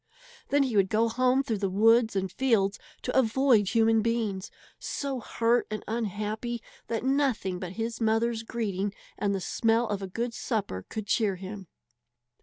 Then he would go home through the woods and fields to avoid human beings, so hurt and unhappy that nothing but his mother's greeting and the smell of a good supper could cheer him.